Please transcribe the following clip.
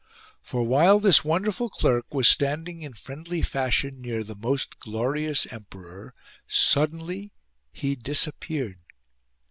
For, while this wonderful clerk was standing in friendly fashion near the most glorious emperor, suddenly he disappeared.